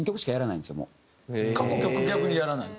過去曲逆にやらないと。